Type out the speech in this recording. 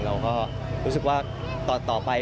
เราก็รู้สึกว่าต่อไป